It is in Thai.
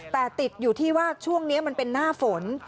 แต่ติดอยู่ที่ว่าช่วงนี้มันเป็นหน้าฝน